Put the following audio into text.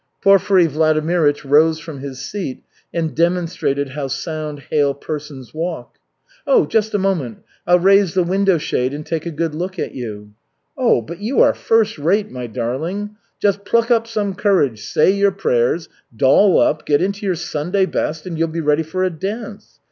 Porfiry Vladimirych rose from his seat and demonstrated how sound, hale persons walk. "Oh, just a moment. I'll raise the window shade and take a good look at you. Oh, but you are first rate, my darling. Just pluck up some courage, say your prayers, doll up, get into your Sunday best, and you'll be ready for a dance.